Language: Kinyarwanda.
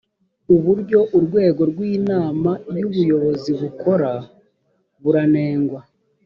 uburyo urwego rw’inama y’ubuyobozi bukora buranengwa